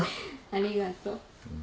ありがとう